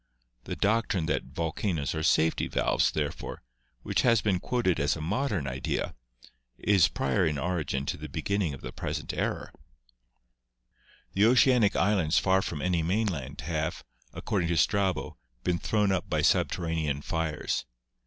The doctrine that volcanoes are safety valves, therefore, which has been quoted as a modern idea, is prior in origin to the begin ning of the present era. The oceanic islands far from any mainland have, ac cording to Strabo, been thrown up by subterranean fires.